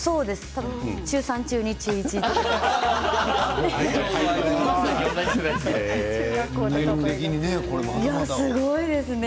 中３、中２、中１ですよね。